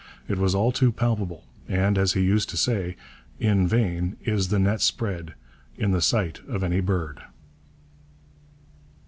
It was all too palpable, and, as he used to say, 'in vain is the net spread in the sight of any bird.'